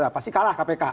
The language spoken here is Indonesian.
pasti kalah kpk